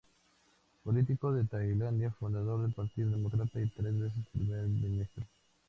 Político de Tailandia, fundador del Partido Demócrata y tres veces Primer Ministro.